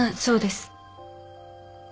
そうです。